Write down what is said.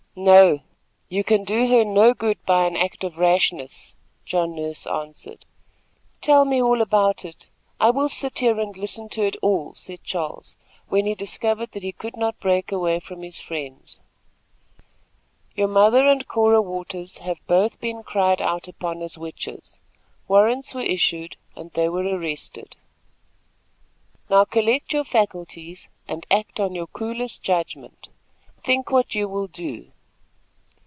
"No; you can do her no good by an act of rashness!" John Nurse answered. "Tell me all about it. I will sit here and listen to it all," said Charles, when he discovered that he could not break away from his friends. "Your mother and Cora Waters have both been cried out upon as witches, warrants were issued, and they were arrested. Now collect your faculties and act on your coolest judgment. Think what you will do."